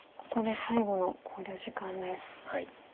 ここで最後の考慮時間です。